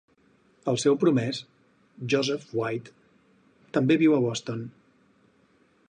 El seu promès, Joseph White, també viu a Boston.